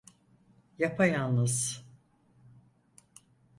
Yapayalnız.